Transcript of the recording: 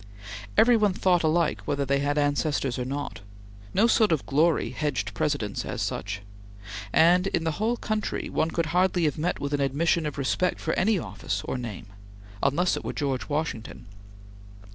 Every one thought alike whether they had ancestors or not. No sort of glory hedged Presidents as such, and, in the whole country, one could hardly have met with an admission of respect for any office or name, unless it were George Washington.